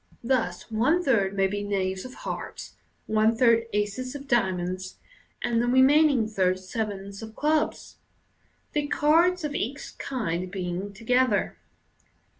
Thus, one third may be knaves of hearts, one third aces of diamonds, and the remaining third sevens of clubs — the cards of each kind being to gether.